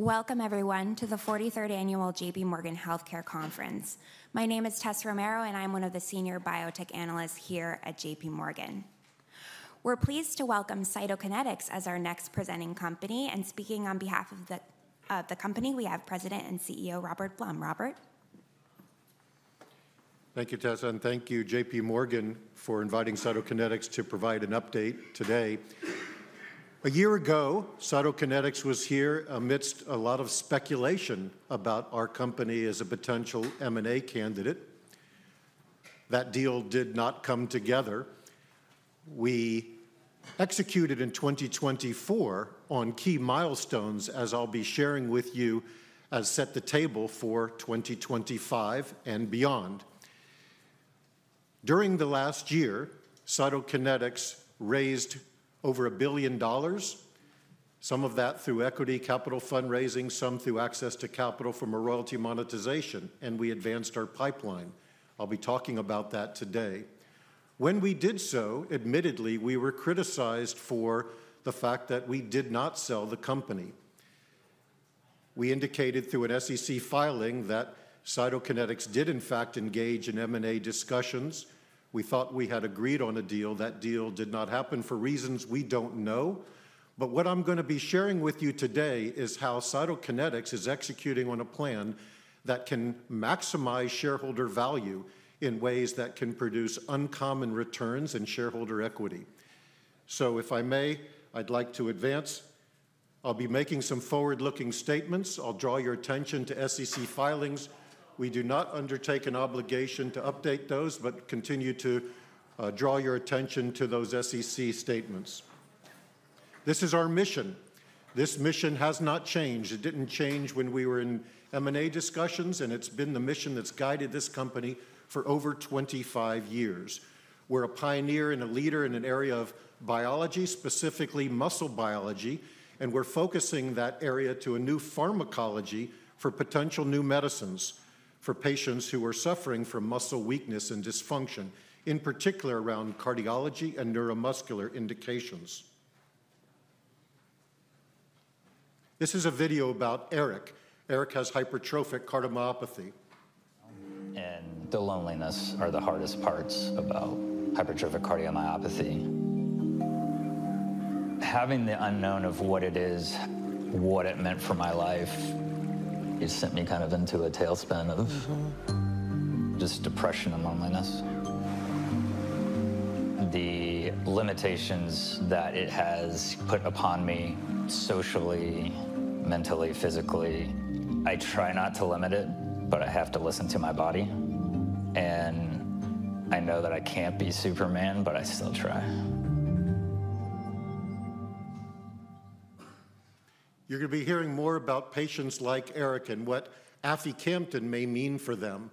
Welcome, everyone, to the 43rd Annual JPMorgan Healthcare Conference. My name is Tess Romero, and I'm one of the Senior Biotech Analysts here at JPMorgan. We're pleased to welcome Cytokinetics as our next presenting company. And speaking on behalf of the company, we have President and CEO Robert Blum. Robert? Thank you, Tess, and thank you, JPMorgan, for inviting Cytokinetics to provide an update today. A year ago, Cytokinetics was here amidst a lot of speculation about our company as a potential M&A candidate. That deal did not come together. We executed in 2024 on key milestones, as I'll be sharing with you, as we set the table for 2025 and beyond. During the last year, Cytokinetics raised over $1 billion, some of that through equity capital fundraising, some through access to capital from a royalty monetization, and we advanced our pipeline. I'll be talking about that today. When we did so, admittedly, we were criticized for the fact that we did not sell the company. We indicated through an SEC filing that Cytokinetics did, in fact, engage in M&A discussions. We thought we had agreed on a deal. That deal did not happen for reasons we don't know. But what I'm going to be sharing with you today is how Cytokinetics is executing on a plan that can maximize shareholder value in ways that can produce uncommon returns in shareholder equity. So, if I may, I'd like to advance. I'll be making some forward-looking statements. I'll draw your attention to SEC filings. We do not undertake an obligation to update those, but continue to draw your attention to those SEC statements. This is our mission. This mission has not changed. It didn't change when we were in M&A discussions, and it's been the mission that's guided this company for over 25 years. We're a pioneer and a leader in an area of biology, specifically muscle biology, and we're focusing that area to a new pharmacology for potential new medicines for patients who are suffering from muscle weakness and dysfunction, in particular around cardiology and neuromuscular indications. This is a video about Eric. Eric has hypertrophic cardiomyopathy. And the loneliness are the hardest parts about hypertrophic cardiomyopathy. Having the unknown of what it is, what it meant for my life, it sent me kind of into a tailspin of just depression and loneliness. The limitations that it has put upon me socially, mentally, physically, I try not to limit it, but I have to listen to my body. And I know that I can't be Superman, but I still try. You're going to be hearing more about patients like Eric and what aficamten may mean for them.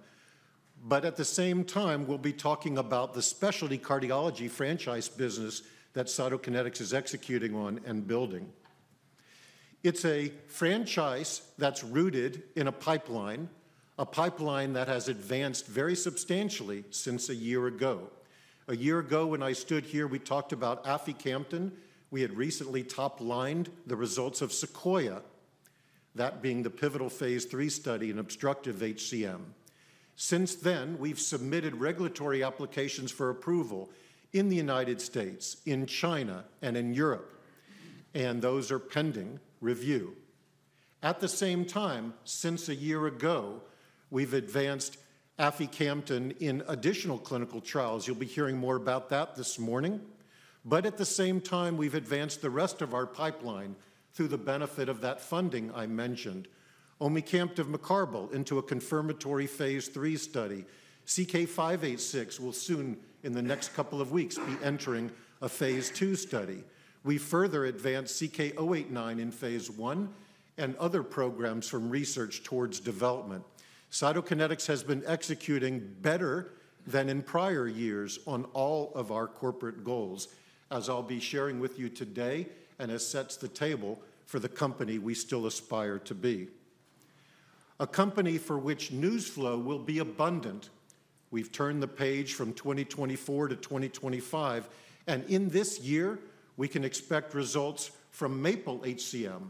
But at the same time, we'll be talking about the specialty cardiology franchise business that Cytokinetics is executing on and building. It's a franchise that's rooted in a pipeline, a pipeline that has advanced very substantially since a year ago. A year ago, when I stood here, we talked about aficamten. We had recently top-lined the results of SEQUOIA, that being the pivotal phase III study in obstructive HCM. Since then, we've submitted regulatory applications for approval in the United States, in China, and in Europe, and those are pending review. At the same time, since a year ago, we've advanced aficamten in additional clinical trials. You'll be hearing more about that this morning. But at the same time, we've advanced the rest of our pipeline through the benefit of that funding I mentioned, omecamtiv mecarbil into a confirmatory phase III study. CK-586 will soon, in the next couple of weeks, be entering a phase II study. We further advanced CK-089 in phase I and other programs from research towards development. Cytokinetics has been executing better than in prior years on all of our corporate goals, as I'll be sharing with you today and as sets the table for the company we still aspire to be. A company for which news flow will be abundant. We've turned the page from 2024 to 2025, and in this year, we can expect results from MAPLE-HCM,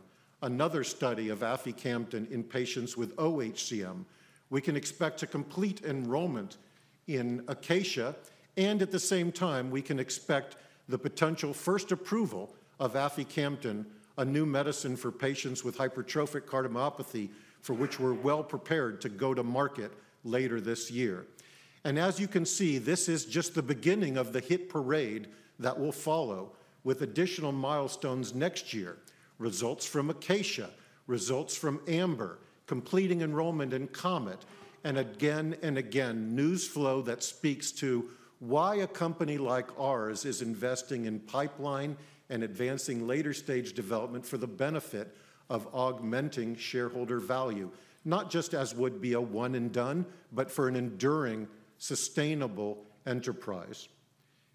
another study of aficamten in patients with oHCM. We can expect a complete enrollment in ACACIA, and at the same time, we can expect the potential first approval of aficamten, a new medicine for patients with hypertrophic cardiomyopathy, for which we're well prepared to go to market later this year. And as you can see, this is just the beginning of the hit parade that will follow with additional milestones next year, results from ACACIA, results from AMBER, completing enrollment in COMET, and again and again, news flow that speaks to why a company like ours is investing in pipeline and advancing later-stage development for the benefit of augmenting shareholder value, not just as would be a one-and-done, but for an enduring, sustainable enterprise.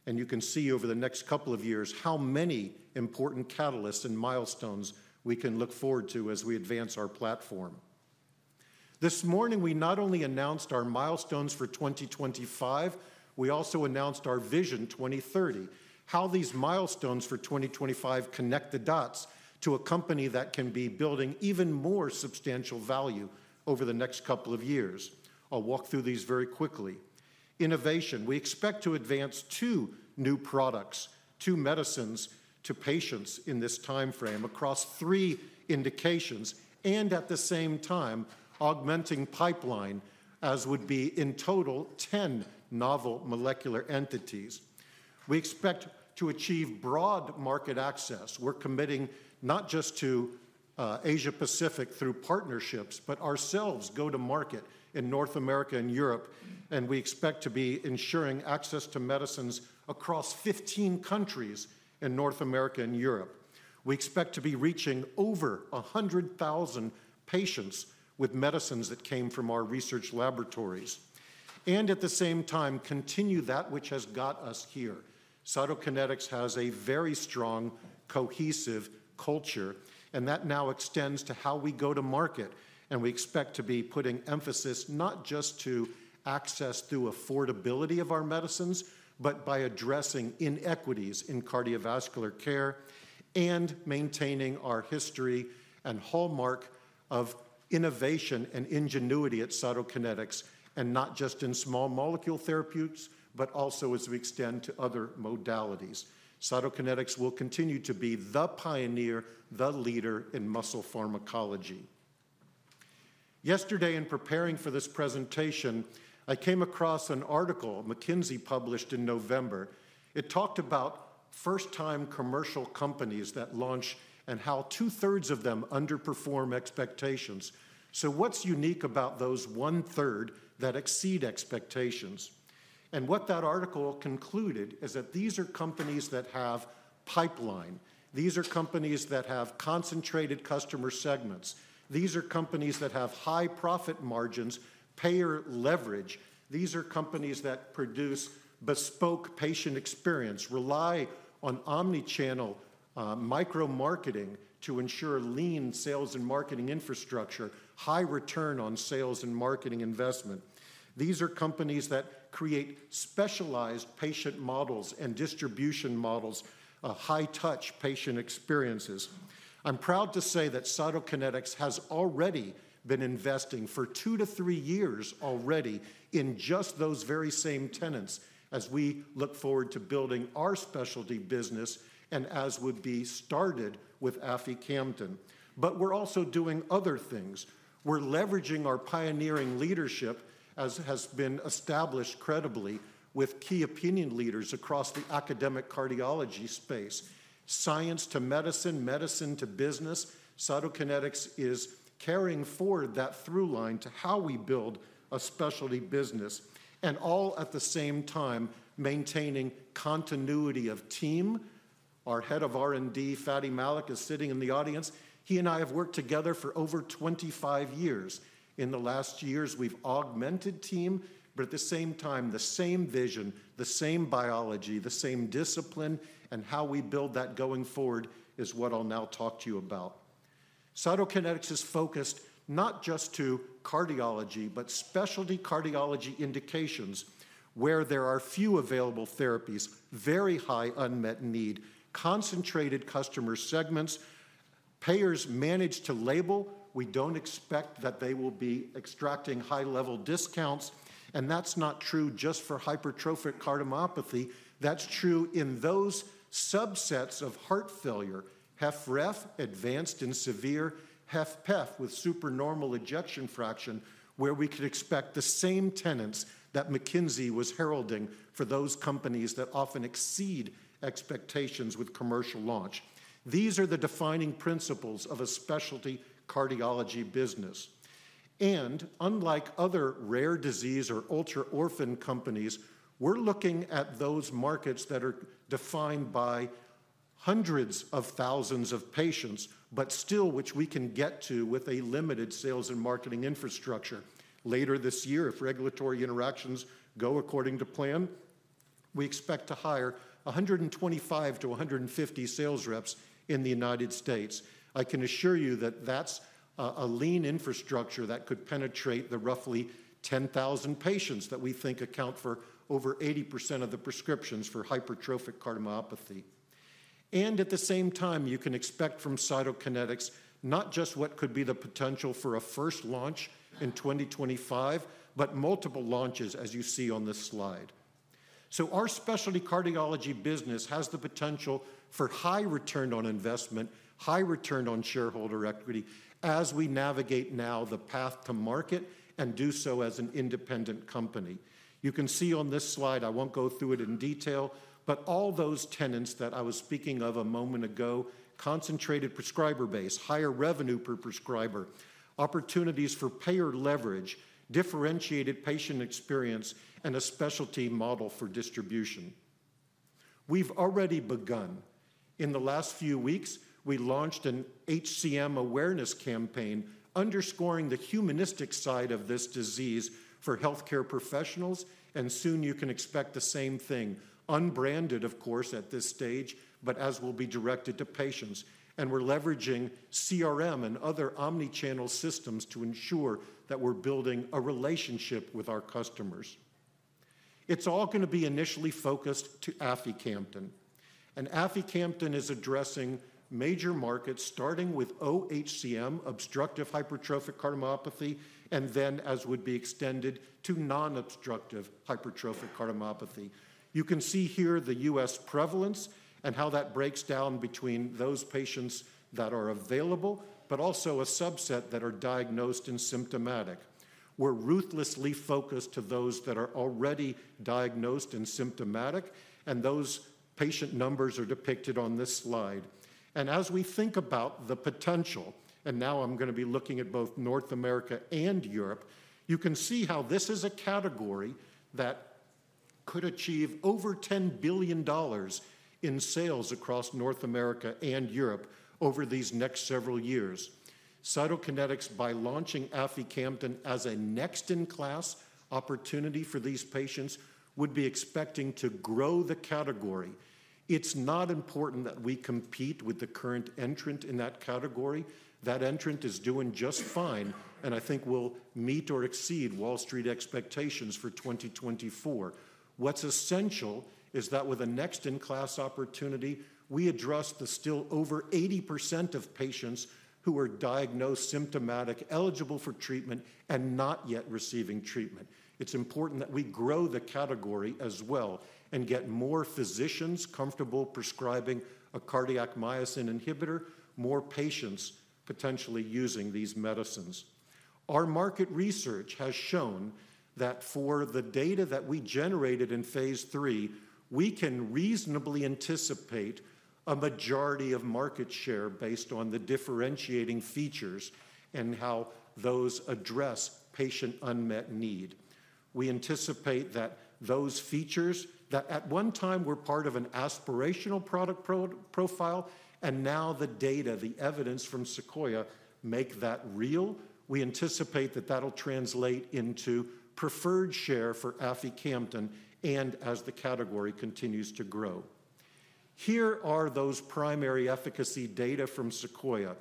And you can see over the next couple of years how many important catalysts and milestones we can look forward to as we advance our platform. This morning, we not only announced our milestones for 2025, we also announced our Vision 2030, how these milestones for 2025 connect the dots to a company that can be building even more substantial value over the next couple of years. I'll walk through these very quickly. Innovation, we expect to advance two new products, two medicines to patients in this timeframe across three indications, and at the same time, augmenting pipeline, as would be in total 10 novel molecular entities. We expect to achieve broad market access. We're committing not just to Asia-Pacific through partnerships, but ourselves go to market in North America and Europe, and we expect to be ensuring access to medicines across 15 countries in North America and Europe. We expect to be reaching over 100,000 patients with medicines that came from our research laboratories. And at the same time, continue that which has got us here. Cytokinetics has a very strong cohesive culture, and that now extends to how we go to market, and we expect to be putting emphasis not just to access through affordability of our medicines, but by addressing inequities in cardiovascular care and maintaining our history and hallmark of innovation and ingenuity at Cytokinetics, and not just in small molecule therapeutics, but also as we extend to other modalities. Cytokinetics will continue to be the pioneer, the leader in muscle pharmacology. Yesterday, in preparing for this presentation, I came across an article McKinsey published in November. It talked about first-time commercial companies that launch and how 2/3 of them underperform expectations. So what's unique about those 1/3 that exceed expectations? And what that article concluded is that these are companies that have pipeline. These are companies that have concentrated customer segments. These are companies that have high profit margins, payer leverage. These are companies that produce bespoke patient experience, rely on omnichannel micro-marketing to ensure lean sales and marketing infrastructure, high return on sales and marketing investment. These are companies that create specialized patient models and distribution models, high-touch patient experiences. I'm proud to say that Cytokinetics has already been investing for two to three years already in just those very same tenets as we look forward to building our specialty business and as would be started with aficamten. But we're also doing other things. We're leveraging our pioneering leadership, as has been established credibly, with key opinion leaders across the academic cardiology space. Science to medicine, medicine to business. Cytokinetics is carrying forward that through line to how we build a specialty business, and all at the same time, maintaining continuity of team. Our head of R&D, Fady Malik, is sitting in the audience. He and I have worked together for over 25 years. In the last years, we've augmented team, but at the same time, the same vision, the same biology, the same discipline, and how we build that going forward is what I'll now talk to you about. Cytokinetics is focused not just to cardiology, but specialty cardiology indications where there are few available therapies, very high unmet need, concentrated customer segments, payers manage to label. We don't expect that they will be extracting high-level discounts, and that's not true just for hypertrophic cardiomyopathy. That's true in those subsets of heart failure, HFrEF, advanced and severe, HFpEF with supernormal ejection fraction, where we could expect the same tenets that McKinsey was heralding for those companies that often exceed expectations with commercial launch. These are the defining principles of a specialty cardiology business. And unlike other rare disease or ultra-orphan companies, we're looking at those markets that are defined by hundreds of thousands of patients, but still, which we can get to with a limited sales and marketing infrastructure. Later this year, if regulatory interactions go according to plan, we expect to hire 125-150 sales reps in the United States. I can assure you that that's a lean infrastructure that could penetrate the roughly 10,000 patients that we think account for over 80% of the prescriptions for hypertrophic cardiomyopathy. At the same time, you can expect from Cytokinetics not just what could be the potential for a first launch in 2025, but multiple launches, as you see on this slide. Our specialty cardiology business has the potential for high return on investment, high return on shareholder equity as we navigate now the path to market and do so as an independent company. You can see on this slide. I won't go through it in detail, but all those tenets that I was speaking of a moment ago, concentrated prescriber base, higher revenue per prescriber, opportunities for payer leverage, differentiated patient experience, and a specialty model for distribution. We've already begun. In the last few weeks, we launched an HCM awareness campaign underscoring the humanistic side of this disease for healthcare professionals, and soon you can expect the same thing, unbranded, of course, at this stage, but as will be directed to patients, and we're leveraging CRM and other omnichannel systems to ensure that we're building a relationship with our customers. It's all going to be initially focused to aficamten, and aficamten is addressing major markets starting with oHCM, obstructive hypertrophic cardiomyopathy, and then, as would be extended to non-obstructive hypertrophic cardiomyopathy. You can see here the U.S. prevalence and how that breaks down between those patients that are available, but also a subset that are diagnosed and symptomatic. We're ruthlessly focused to those that are already diagnosed and symptomatic, and those patient numbers are depicted on this slide. As we think about the potential, and now I'm going to be looking at both North America and Europe, you can see how this is a category that could achieve over $10 billion in sales across North America and Europe over these next several years. Cytokinetics, by launching aficamten as a next-in-class opportunity for these patients, would be expecting to grow the category. It's not important that we compete with the current entrant in that category. That entrant is doing just fine, and I think we'll meet or exceed Wall Street expectations for 2024. What's essential is that with a next-in-class opportunity, we address the still over 80% of patients who are diagnosed, symptomatic, eligible for treatment, and not yet receiving treatment. It's important that we grow the category as well and get more physicians comfortable prescribing a cardiac myosin inhibitor, more patients potentially using these medicines. Our market research has shown that for the data that we generated in phase III, we can reasonably anticipate a majority of market share based on the differentiating features and how those address patient unmet need. We anticipate that those features that at one time were part of an aspirational product profile, and now the data, the evidence from SEQUOIA make that real. We anticipate that that'll translate into preferred share for aficamten and as the category continues to grow. Here are those primary efficacy data from SEQUOIA,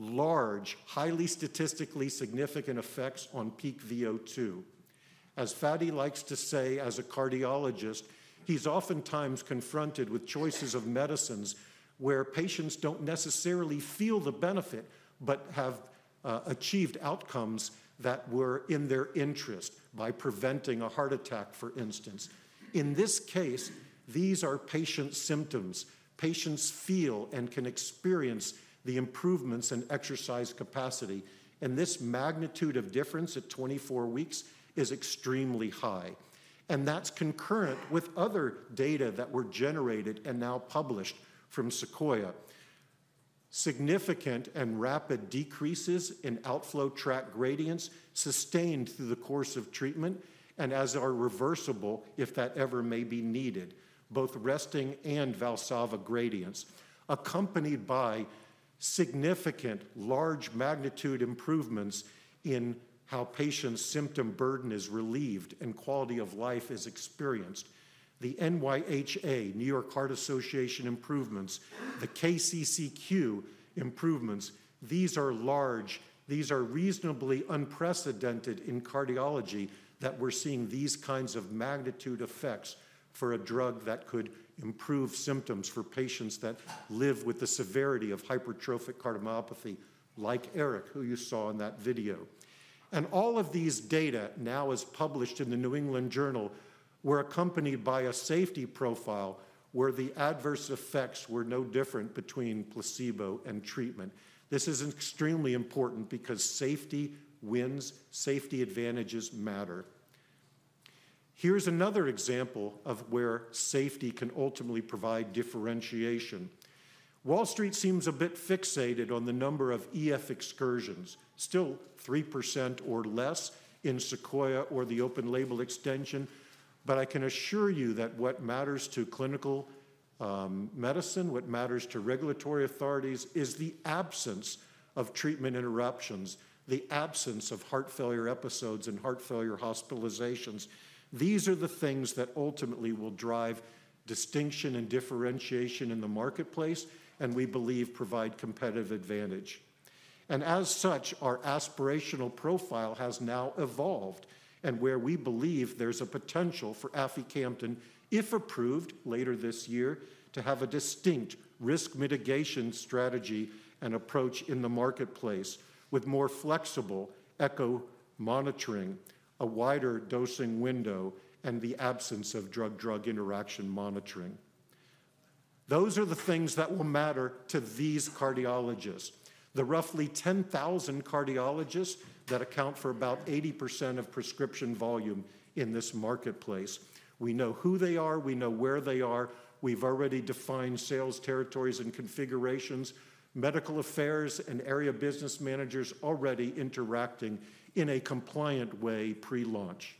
large, highly statistically significant effects on peak VO2. As Fady likes to say, as a cardiologist, he's oftentimes confronted with choices of medicines where patients don't necessarily feel the benefit, but have achieved outcomes that were in their interest by preventing a heart attack, for instance. In this case, these are patient symptoms. Patients feel and can experience the improvements in exercise capacity, and this magnitude of difference at 24 weeks is extremely high, and that's concurrent with other data that were generated and now published from SEQUOIA, significant and rapid decreases in outflow tract gradients sustained through the course of treatment, and as are reversible, if that ever may be needed, both resting and Valsalva gradients, accompanied by significant large magnitude improvements in how patients' symptom burden is relieved and quality of life is experienced. The NYHA, New York Heart Association improvements, the KCCQ improvements, these are large. These are reasonably unprecedented in cardiology that we're seeing these kinds of magnitude effects for a drug that could improve symptoms for patients that live with the severity of hypertrophic cardiomyopathy, like Eric, who you saw in that video. All of these data now is published in The New England Journal of Medicine, were accompanied by a safety profile where the adverse effects were no different between placebo and treatment. This is extremely important because safety wins. Safety advantages matter. Here's another example of where safety can ultimately provide differentiation. Wall Street seems a bit fixated on the number of EF excursions, still 3% or less in SEQUOIA or the open label extension, but I can assure you that what matters to clinical medicine, what matters to regulatory authorities, is the absence of treatment interruptions, the absence of heart failure episodes and heart failure hospitalizations. These are the things that ultimately will drive distinction and differentiation in the marketplace, and we believe provide competitive advantage. And as such, our aspirational profile has now evolved, and where we believe there's a potential for aficamten, if approved later this year, to have a distinct risk mitigation strategy and approach in the marketplace with more flexible echo monitoring, a wider dosing window, and the absence of drug-drug interaction monitoring. Those are the things that will matter to these cardiologists, the roughly 10,000 cardiologists that account for about 80% of prescription volume in this marketplace. We know who they are. We know where they are. We've already defined sales territories and configurations, medical affairs and area business managers already interacting in a compliant way pre-launch.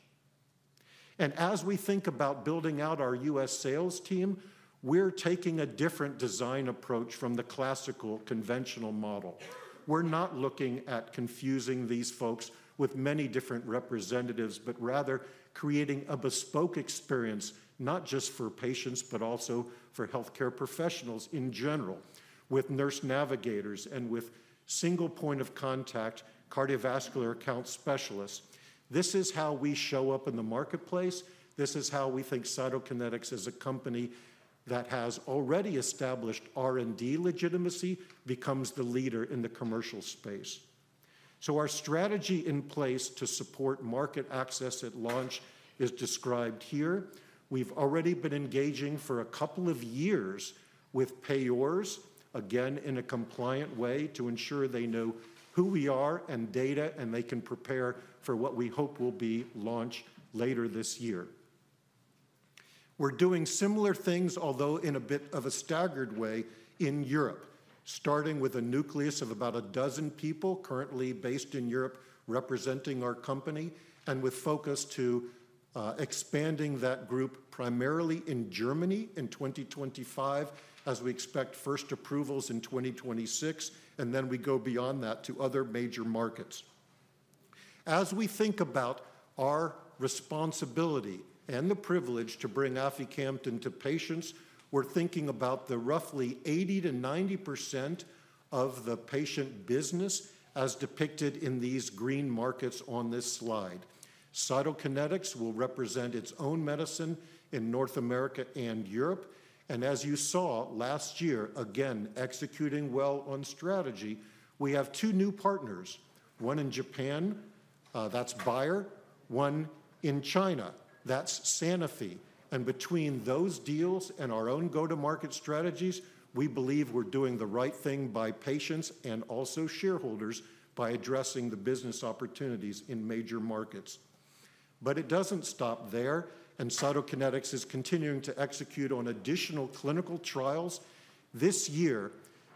And as we think about building out our U.S. sales team, we're taking a different design approach from the classical conventional model. We're not looking at confusing these folks with many different representatives, but rather creating a bespoke experience not just for patients, but also for healthcare professionals in general, with nurse navigators and with single point of contact cardiovascular account specialists. This is how we show up in the marketplace. This is how we think Cytokinetics as a company that has already established R&D legitimacy becomes the leader in the commercial space. So our strategy in place to support market access at launch is described here. We've already been engaging for a couple of years with payers, again in a compliant way to ensure they know who we are and data, and they can prepare for what we hope will be launched later this year. We're doing similar things, although in a bit of a staggered way in Europe, starting with a nucleus of about a dozen people currently based in Europe representing our company, and with focus to expanding that group primarily in Germany in 2025, as we expect first approvals in 2026, and then we go beyond that to other major markets. As we think about our responsibility and the privilege to bring aficamten to patients, we're thinking about the roughly 80%-90% of the patient business as depicted in these green markets on this slide. Cytokinetics will represent its own medicine in North America and Europe. And as you saw last year, again executing well on strategy, we have two new partners, one in Japan, that's Bayer, one in China, that's Sanofi. Between those deals and our own go-to-market strategies, we believe we're doing the right thing by patients and also shareholders by addressing the business opportunities in major markets. It doesn't stop there, and Cytokinetics is continuing to execute on additional clinical trials. This year,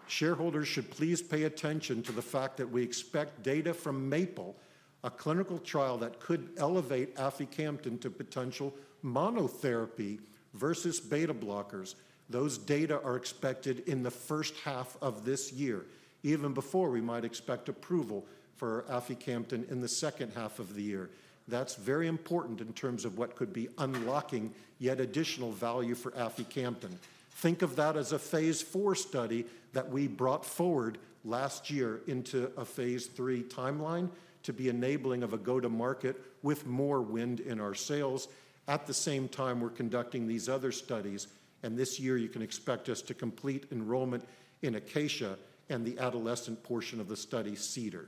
shareholders should please pay attention to the fact that we expect data from MAPLE, a clinical trial that could elevate aficamten to potential monotherapy versus beta blockers. Those data are expected in the first half of this year, even before we might expect approval for aficamten in the second half of the year. That's very important in terms of what could be unlocking yet additional value for aficamten. Think of that as a phase IV study that we brought forward last year into a phase III timeline to be enabling of a go-to-market with more wind in our sails. At the same time, we're conducting these other studies, and this year you can expect us to complete enrollment in ACACIA and the adolescent portion of the study, CEDAR.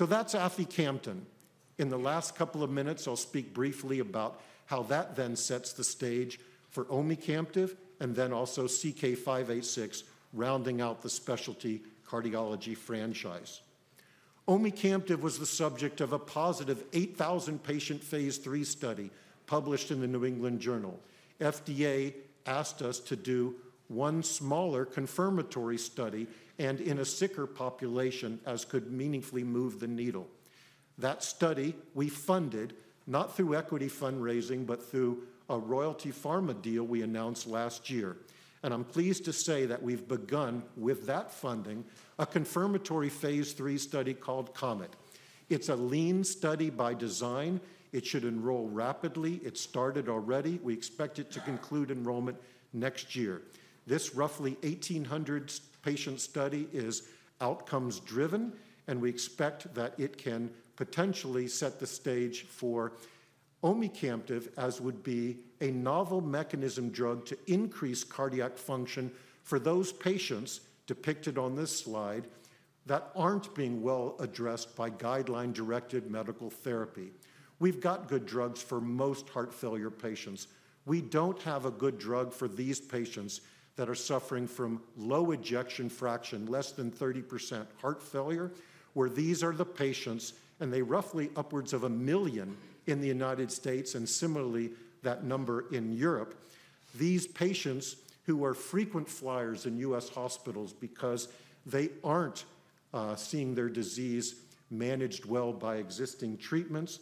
That's aficamten. In the last couple of minutes, I'll speak briefly about how that then sets the stage for omecamtiv mecarbil and then also CK-586, rounding out the specialty cardiology franchise. Omecamtiv mecarbil was the subject of a positive 8,000 patient phase III study published in the New England Journal. FDA asked us to do one smaller confirmatory study and in a sicker population as could meaningfully move the needle. That study we funded not through equity fundraising, but through a Royalty Pharma deal we announced last year. I'm pleased to say that we've begun with that funding a confirmatory phase III study called COMET. It's a lean study by design. It should enroll rapidly. It started already. We expect it to conclude enrollment next year. This roughly 1,800 patient study is outcomes-driven, and we expect that it can potentially set the stage for omecamtiv mecarbil as would be a novel mechanism drug to increase cardiac function for those patients depicted on this slide that aren't being well addressed by guideline-directed medical therapy. We've got good drugs for most heart failure patients. We don't have a good drug for these patients that are suffering from low ejection fraction, less than 30% heart failure, where these are the patients, and they roughly upwards of a million in the United States and similarly that number in Europe. These patients who are frequent flyers in U.S. hospitals because they aren't seeing their disease managed well by existing treatments.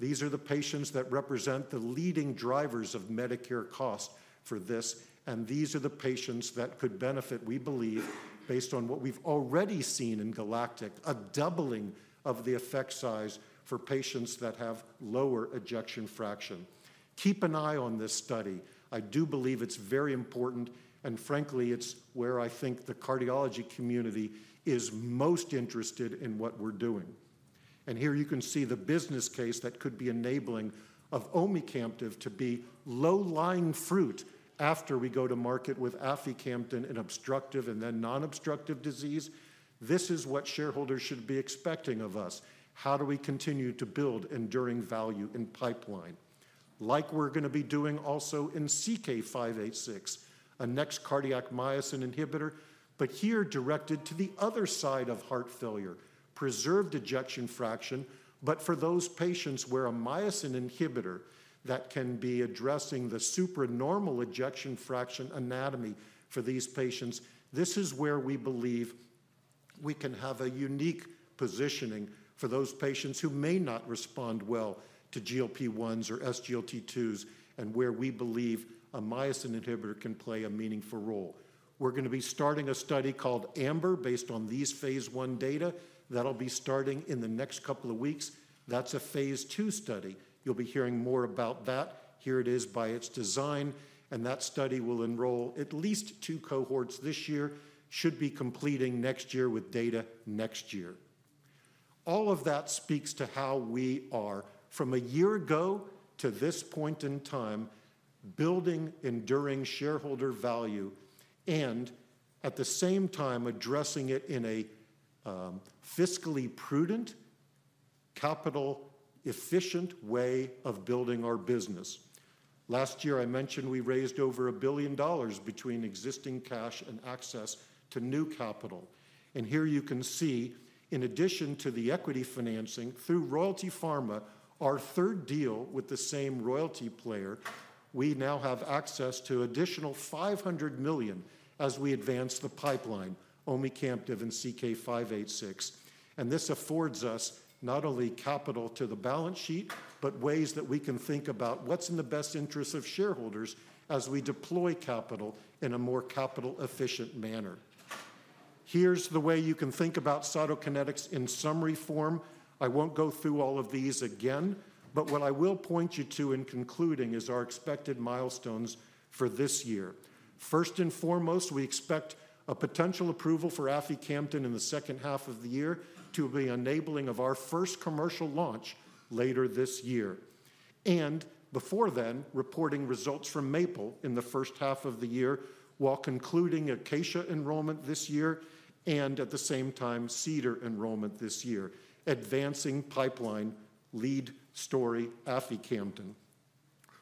These are the patients that represent the leading drivers of Medicare cost for this, and these are the patients that could benefit, we believe, based on what we've already seen in GALACTIC, a doubling of the effect size for patients that have lower ejection fraction. Keep an eye on this study. I do believe it's very important, and frankly, it's where I think the cardiology community is most interested in what we're doing. Here you can see the business case that could be enabling of omecamtiv to be low-lying fruit after we go to market with aficamten and obstructive and then non-obstructive disease. This is what shareholders should be expecting of us. How do we continue to build enduring value in pipeline? Like we're going to be doing also in CK-586, a next cardiac myosin inhibitor, but here directed to the other side of heart failure, preserved ejection fraction, but for those patients where a myosin inhibitor that can be addressing the supernormal ejection fraction anatomy for these patients, this is where we believe we can have a unique positioning for those patients who may not respond well to GLP-1s or SGLT2s and where we believe a myosin inhibitor can play a meaningful role. We're going to be starting a study called AMBER based on these phase I data. That'll be starting in the next couple of weeks. That's a phase II study. You'll be hearing more about that. Here it is by its design, and that study will enroll at least two cohorts this year, should be completing next year with data next year. All of that speaks to how we are from a year ago to this point in time, building enduring shareholder value and at the same time addressing it in a fiscally prudent, capital-efficient way of building our business. Last year, I mentioned we raised over $1 billion between existing cash and access to new capital. Here you can see, in addition to the equity financing through Royalty Pharma, our third deal with the same royalty player, we now have access to additional $500 million as we advance the pipeline, omecamtiv mecarbil and CK-586. This affords us not only capital to the balance sheet, but ways that we can think about what's in the best interest of shareholders as we deploy capital in a more capital-efficient manner. Here's the way you can think about Cytokinetics in summary form. I won't go through all of these again, but what I will point you to in concluding is our expected milestones for this year. First and foremost, we expect a potential approval for aficamten in the second half of the year to be enabling of our first commercial launch later this year, and before then, reporting results from MAPLE in the first half of the year while concluding ACACIA enrollment this year and at the same time CEDAR enrollment this year, advancing pipeline lead story aficamten.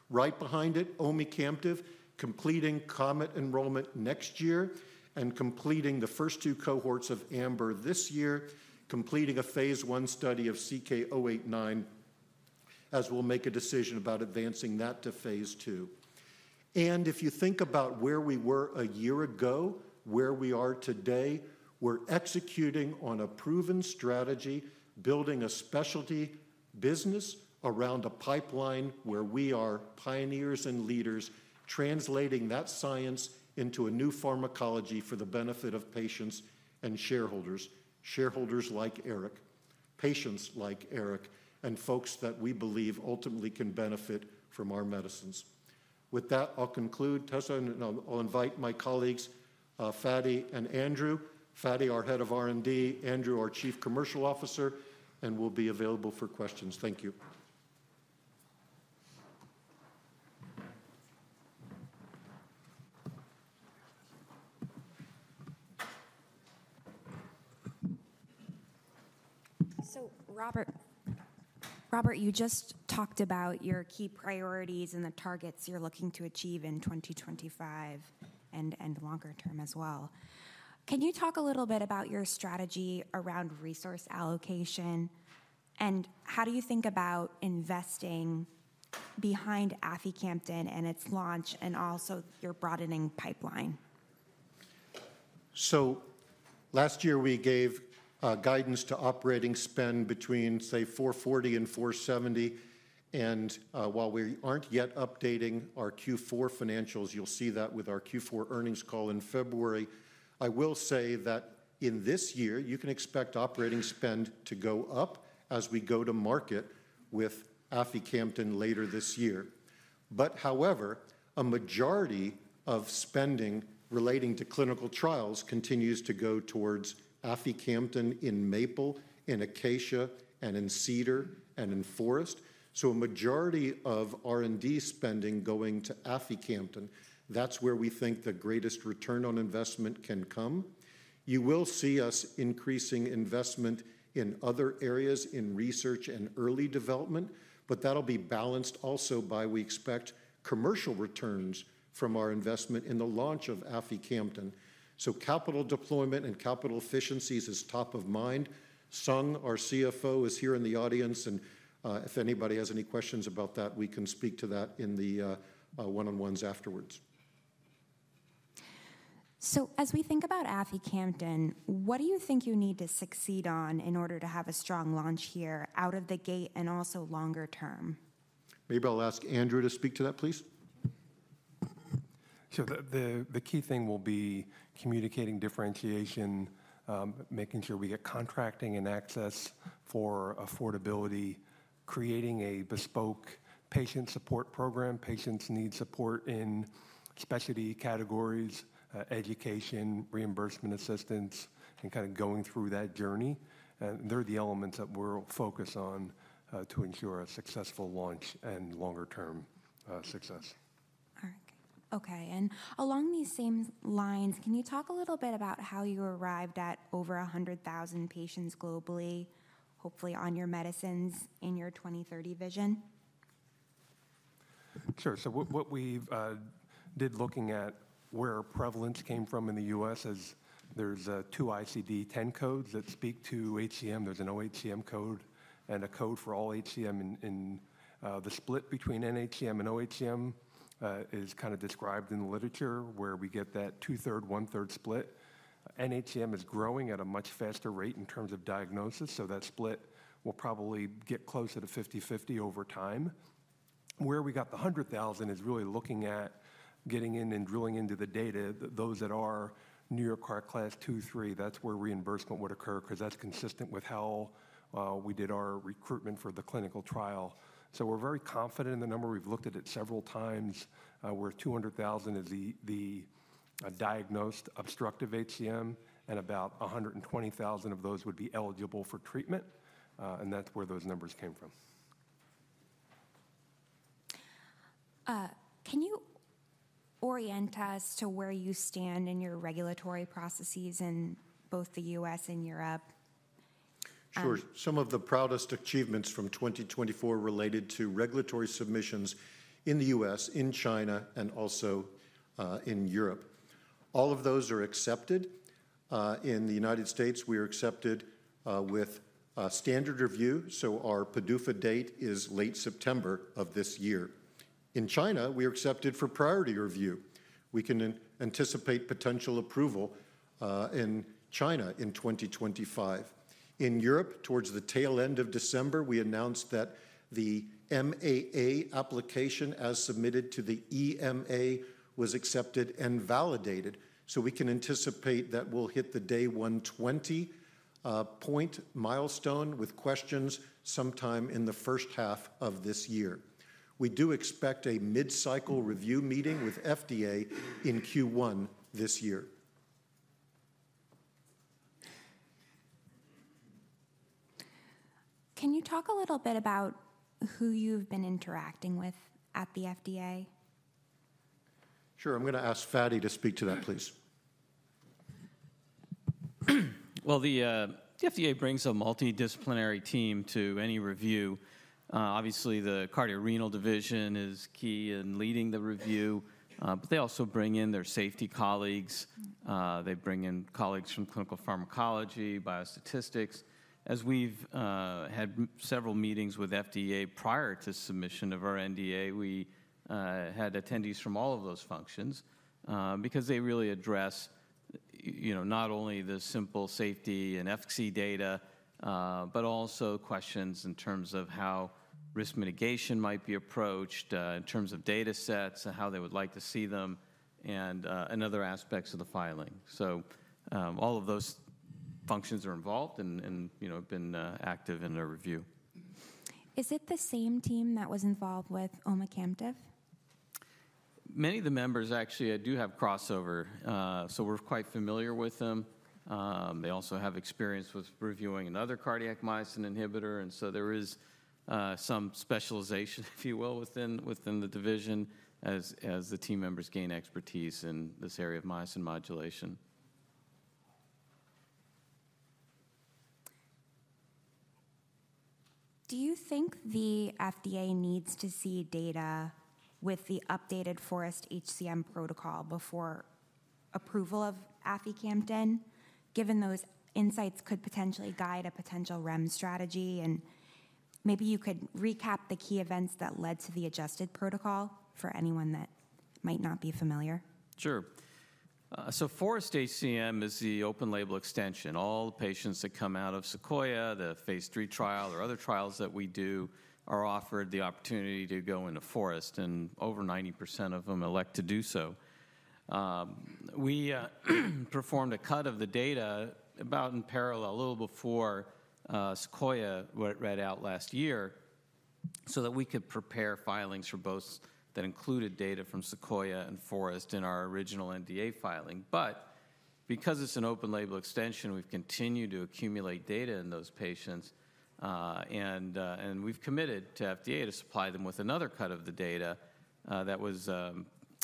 Right behind it, omecamtiv mecarbil completing COMET enrollment next year and completing the first two cohorts of AMBER this year, completing a phase I study of CK-089 as we'll make a decision about advancing that to phase II. And if you think about where we were a year ago, where we are today, we're executing on a proven strategy, building a specialty business around a pipeline where we are pioneers and leaders translating that science into a new pharmacology for the benefit of patients and shareholders, shareholders like Eric, patients like Eric, and folks that we believe ultimately can benefit from our medicines. With that, I'll conclude. I'll invite my colleagues, Fady and Andrew. Fady, our Head of R&D. Andrew, our Chief Commercial Officer, and we'll be available for questions. Thank you. So Robert, Robert, you just talked about your key priorities and the targets you're looking to achieve in 2025 and longer term as well. Can you talk a little bit about your strategy around resource allocation and how do you think about investing behind aficamten and its launch and also your broadening pipeline? So last year, we gave guidance to operating spend between, say, $440 million and $470 million. And while we aren't yet updating our Q4 financials, you'll see that with our Q4 earnings call in February. I will say that in this year, you can expect operating spend to go up as we go to market with aficamten later this year. But however, a majority of spending relating to clinical trials continues to go towards aficamten in MAPLE, in ACACIA, and in CEDAR and in FOREST. So a majority of R&D spending going to aficamten, that's where we think the greatest return on investment can come. You will see us increasing investment in other areas in research and early development, but that'll be balanced also by we expect commercial returns from our investment in the launch of aficamten. So capital deployment and capital efficiencies is top of mind. Sung, our CFO, is here in the audience, and if anybody has any questions about that, we can speak to that in the one-on-ones afterwards. So as we think about aficamten, what do you think you need to succeed on in order to have a strong launch here out of the gate and also longer term? Maybe I'll ask Andrew to speak to that, please. So the key thing will be communicating differentiation, making sure we get contracting and access for affordability, creating a bespoke patient support program. Patients need support in specialty categories, education, reimbursement assistance, and kind of going through that journey. They're the elements that we'll focus on to ensure a successful launch and longer-term success. All right. Okay. And along these same lines, can you talk a little bit about how you arrived at over 100,000 patients globally, hopefully on your medicines in your 2030 vision? Sure. So what we did looking at where prevalence came from in the U.S. is there's two ICD-10 codes that speak to HCM. There's an oHCM code and a code for all HCM, and the split between nHCM and oHCM is kind of described in the literature where we get that 2/3, 1/3 split. nHCM is growing at a much faster rate in terms of diagnosis, so that split will probably get closer to 50-50 over time. Where we got the 100,000 is really looking at getting in and drilling into the data, those that are New York Heart Association Class II, III. That's where reimbursement would occur because that's consistent with how we did our recruitment for the clinical trial. So we're very confident in the number. We've looked at it several times where 200,000 is the diagnosed obstructive HCM and about 120,000 of those would be eligible for treatment, and that's where those numbers came from. Can you orient us to where you stand in your regulatory processes in both the U.S. and Europe? Sure. Some of the proudest achievements from 2024 related to regulatory submissions in the U.S., in China, and also in Europe. All of those are accepted. In the United States, we are accepted with standard review, so our PDUFA date is late September of this year. In China, we are accepted for priority review. We can anticipate potential approval in China in 2025. In Europe, towards the tail end of December, we announced that the MAA application as submitted to the EMA was accepted and validated, so we can anticipate that we'll hit the day 120 point milestone with questions sometime in the first half of this year. We do expect a mid-cycle review meeting with FDA in Q1 this year. Can you talk a little bit about who you've been interacting with at the FDA? Sure. I'm going to ask Fady to speak to that, please. The FDA brings a multidisciplinary team to any review. Obviously, the cardiorenal division is key in leading the review, but they also bring in their safety colleagues. They bring in colleagues from clinical pharmacology, biostatistics. As we've had several meetings with FDA prior to submission of our NDA, we had attendees from all of those functions because they really address not only the simple safety and efficacy data, but also questions in terms of how risk mitigation might be approached in terms of data sets and how they would like to see them and other aspects of the filing. All of those functions are involved and have been active in our review. Is it the same team that was involved with omecamtiv mecarbil? Many of the members actually do have crossover, so we're quite familiar with them. They also have experience with reviewing another cardiac myosin inhibitor, and so there is some specialization, if you will, within the division as the team members gain expertise in this area of myosin modulation. Do you think the FDA needs to see data with the updated FOREST-HCM protocol before approval of aficamten, given those insights could potentially guide a potential REMS strategy? And maybe you could recap the key events that led to the adjusted protocol for anyone that might not be familiar. Sure. So FOREST-HCM is the open-label extension. All patients that come out of SEQUOIA-HCM, the phase III trial or other trials that we do, are offered the opportunity to go into FOREST-HCM, and over 90% of them elect to do so. We performed a cut of the data about in parallel a little before SEQUOIA-HCM read out last year so that we could prepare filings for both that included data from SEQUOIA-HCM and FOREST-HCM in our original NDA filing. But because it's an open-label extension, we've continued to accumulate data in those patients, and we've committed to FDA to supply them with another cut of the data that was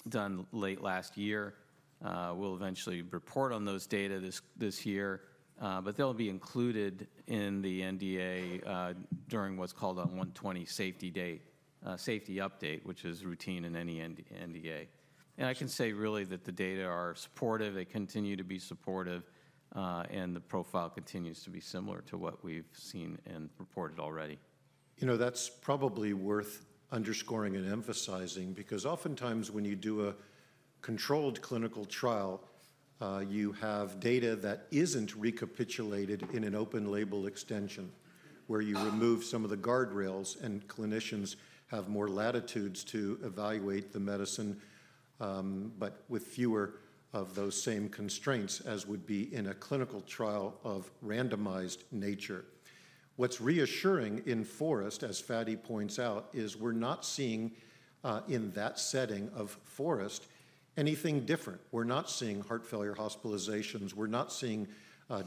done late last year. We'll eventually report on those data this year, but they'll be included in the NDA during what's called a 120 safety update, which is routine in any NDA. And I can say really that the data are supportive. They continue to be supportive, and the profile continues to be similar to what we've seen and reported already. You know, that's probably worth underscoring and emphasizing because oftentimes when you do a controlled clinical trial, you have data that isn't recapitulated in an open label extension where you remove some of the guardrails and clinicians have more latitudes to evaluate the medicine, but with fewer of those same constraints as would be in a clinical trial of randomized nature. What's reassuring in FOREST-HCM, as Fady points out, is we're not seeing in that setting of FOREST-HCM anything different. We're not seeing heart failure hospitalizations. We're not seeing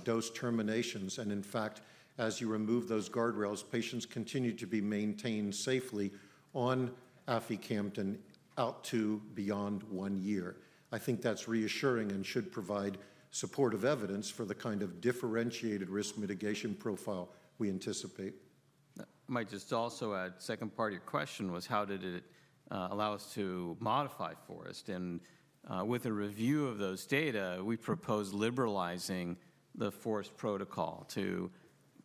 dose terminations. And in fact, as you remove those guardrails, patients continue to be maintained safely on aficamten out to beyond one year. I think that's reassuring and should provide supportive evidence for the kind of differentiated risk mitigation profile we anticipate. I might just also add the second part of your question was how did it allow us to modify FOREST-HCM? And with a review of those data, we propose liberalizing the FOREST-HCM protocol to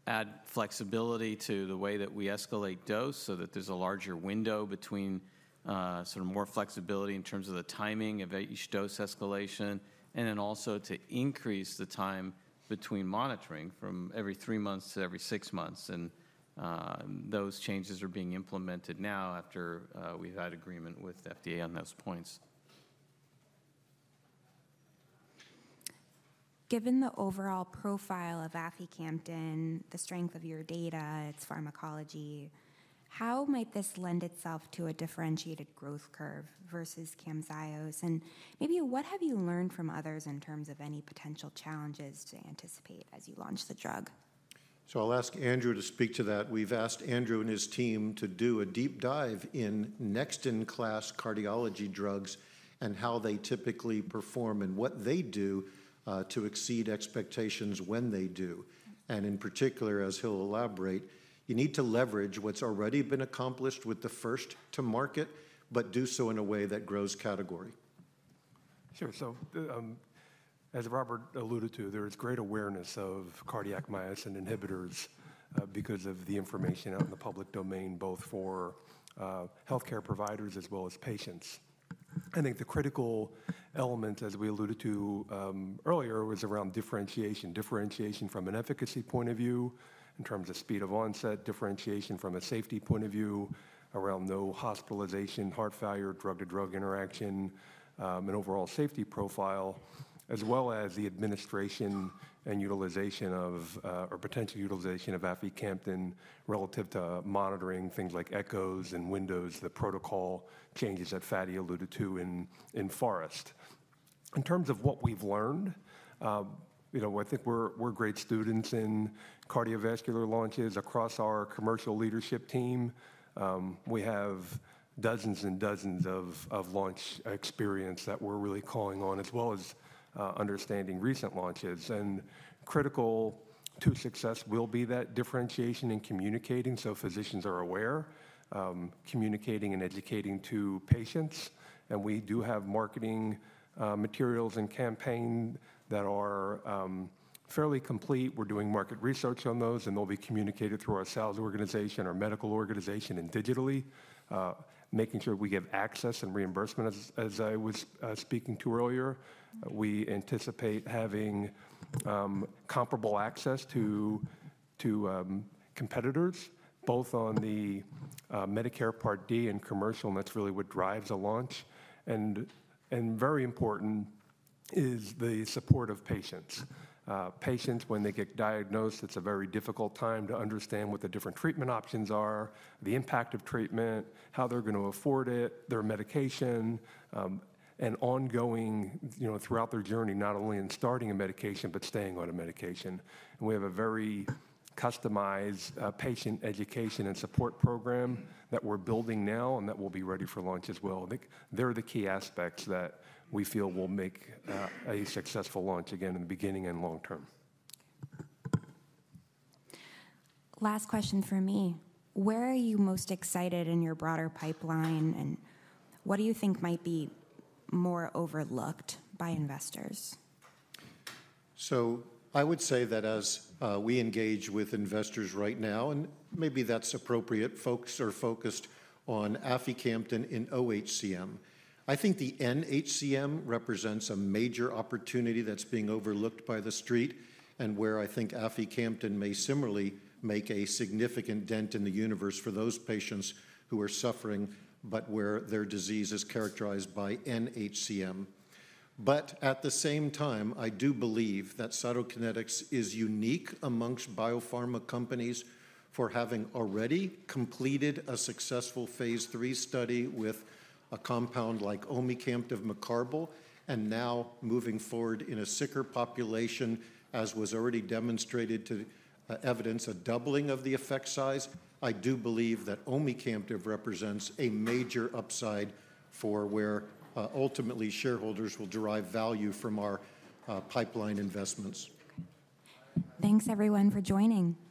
add flexibility to the way that we escalate dose so that there's a larger window between sort of more flexibility in terms of the timing of each dose escalation and then also to increase the time between monitoring from every three months to every six months. And those changes are being implemented now after we've had agreement with FDA on those points. Given the overall profile of aficamten, the strength of your data, its pharmacology, how might this lend itself to a differentiated growth curve versus Camzyos? And maybe what have you learned from others in terms of any potential challenges to anticipate as you launch the drug? So I'll ask Andrew to speak to that. We've asked Andrew and his team to do a deep dive in next-in-class cardiology drugs and how they typically perform and what they do to exceed expectations when they do. And in particular, as he'll elaborate, you need to leverage what's already been accomplished with the first to market, but do so in a way that grows category. Sure. So as Robert alluded to, there is great awareness of cardiac myosin inhibitors because of the information out in the public domain, both for healthcare providers as well as patients. I think the critical element, as we alluded to earlier, was around differentiation. Differentiation from an efficacy point of view in terms of speed of onset, differentiation from a safety point of view around no hospitalization, heart failure, drug-to-drug interaction, and overall safety profile, as well as the administration and utilization of or potential utilization of aficamten relative to monitoring things like echoes and windows, the protocol changes that Fady alluded to in FOREST. In terms of what we've learned, I think we're great students in cardiovascular launches across our commercial leadership team. We have dozens and dozens of launch experience that we're really calling on, as well as understanding recent launches. Critical to success will be that differentiation in communicating so physicians are aware, communicating and educating to patients. We do have marketing materials and campaigns that are fairly complete. We're doing market research on those, and they'll be communicated through our sales organization, our medical organization, and digitally, making sure we give access and reimbursement, as I was speaking to earlier. We anticipate having comparable access to competitors, both on the Medicare Part D and commercial, and that's really what drives a launch. Very important is the support of patients. Patients, when they get diagnosed, it's a very difficult time to understand what the different treatment options are, the impact of treatment, how they're going to afford it, their medication, and ongoing throughout their journey, not only in starting a medication, but staying on a medication. And we have a very customized patient education and support program that we're building now and that will be ready for launch as well. I think they're the key aspects that we feel will make a successful launch again in the beginning and long term. Last question for me. Where are you most excited in your broader pipeline, and what do you think might be more overlooked by investors? I would say that as we engage with investors right now, and maybe that's appropriate, folks are focused on aficamten in oHCM. I think the nHCM represents a major opportunity that's being overlooked by the street and where I think aficamten may similarly make a significant dent in the universe for those patients who are suffering, but where their disease is characterized by nHCM. But at the same time, I do believe that Cytokinetics is unique amongst biopharma companies for having already completed a successful phase III study with a compound like omecamtiv mecarbil and now moving forward in a sicker population, as was already demonstrated to evidence a doubling of the effect size. I do believe that omecamtiv mecarbil represents a major upside for where ultimately shareholders will derive value from our pipeline investments. Thanks, everyone, for joining.